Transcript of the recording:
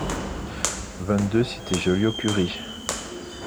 vingt-deux cité Joliot-Curie